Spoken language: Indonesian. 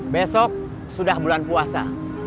besok sudah bulan puasa